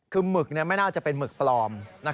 คือหมึกไม่น่าจะเป็นหมึกปลอม